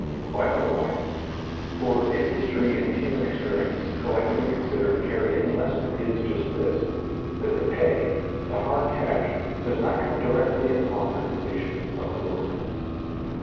Quite otherwise. For, if history and human experience, collectively considered, carry any lesson, it is just this; That the pay, the hard cash, does not come directly upon the completion of the work.